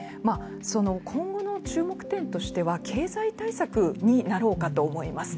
今後の注目点としては経済対策になろうかと思います。